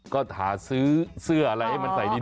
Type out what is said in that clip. ก็หาซื้ออะไรให้มันใส่ดี